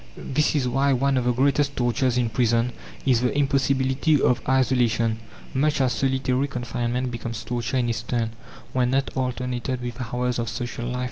This is why one of the greatest tortures in prison is the impossibility of isolation, much as solitary confinement becomes torture in its turn, when not alternated with hours of social life.